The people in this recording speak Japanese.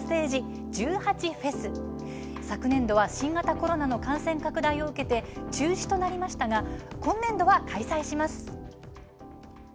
昨年度は新型コロナの感染拡大を受けて中止となりましたが今年度は開催します。